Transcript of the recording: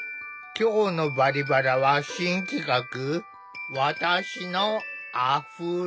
今日の「バリバラ」は新企画「わたしのあふれ」！